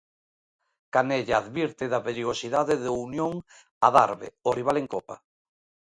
Canella advirte da perigosidade do Unión Adarve, o rival en Copa.